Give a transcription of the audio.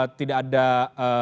kemudian tidak ada mengatur sebuah